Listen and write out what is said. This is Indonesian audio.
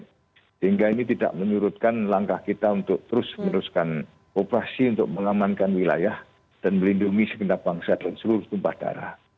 sehingga ini tidak menyurutkan langkah kita untuk terus meneruskan operasi untuk mengamankan wilayah dan melindungi sekendap bangsa dan seluruh tumpah darah